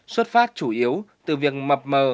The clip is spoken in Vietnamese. xuất phát chủ yếu từ việc mập mờ